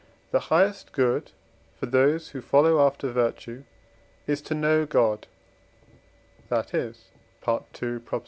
the highest good for those who follow after virtue is to know God; that is (II.